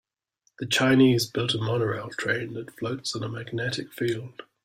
The Chinese built a monorail train that floats on a magnetic field.